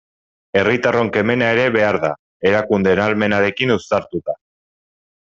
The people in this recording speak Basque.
Herritarron kemena ere behar da, erakundeen ahalmenarekin uztartuta.